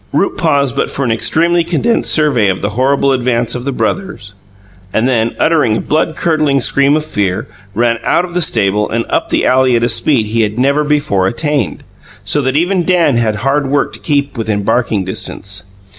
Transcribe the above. Rupe paused but for an extremely condensed survey of the horrible advance of the brothers, and then, uttering a blood curdled scream of fear, ran out of the stable and up the alley at a speed he had never before attained, so that even Dan had hard work to keep within barking distance.